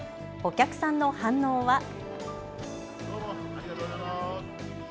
お客さんの反応は。